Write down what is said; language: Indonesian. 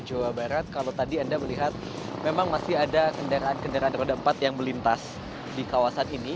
jawa barat kalau tadi anda melihat memang masih ada kendaraan kendaraan roda empat yang melintas di kawasan ini